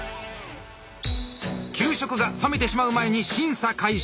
給食が冷めてしまう前に審査開始。